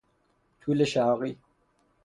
طول شرقی